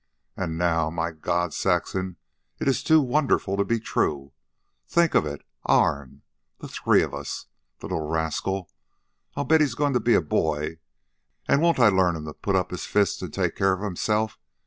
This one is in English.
And now... my God, Saxon, it's too wonderful to be true. Think of it! Ourn! The three of us! The little rascal! I bet he's goin' to be a boy. An' won't I learn 'm to put up his fists an' take care of himself!